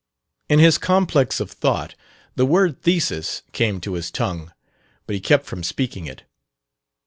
In his complex of thought the word "thesis" came to his tongue, but he kept from speaking it.